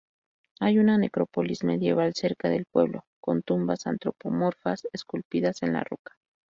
Hay una necrópolis medieval cerca del pueblo, con tumbas antropomorfas esculpidas en la roca.